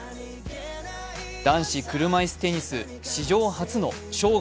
男子車いすテニス史上初の生涯